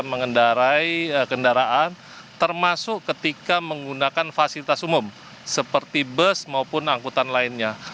mengendarai kendaraan termasuk ketika menggunakan fasilitas umum seperti bus maupun angkutan lainnya